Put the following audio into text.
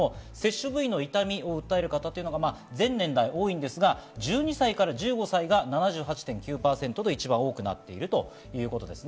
接種部位の痛みを訴える方が多いんですが、１２歳から１５歳が７８．９％と一番多くなっています。